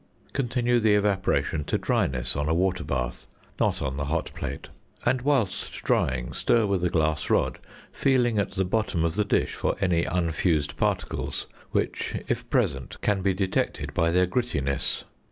Continue the evaporation to dryness on a water bath (not on the hot plate), and whilst drying stir with a glass rod, feeling at the bottom of the dish for any unfused particles, which, if present, can be detected by their grittiness.